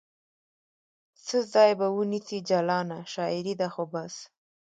څه ځای به ونیسي جلانه ؟ شاعرې ده خو بس